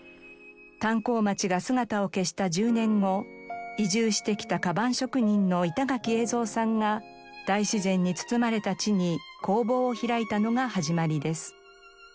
炭鉱町が姿を消した１０年後移住してきた鞄職人の板垣英三さんが大自然に包まれた地に工房を開いたのが始まりです。